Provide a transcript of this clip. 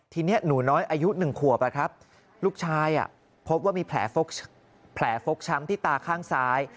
ทีนี้หนูน้อยอายุ๑ขวบลูกชายพบว่ามีแผลฟกช้ำที่ตาข้างซ้าย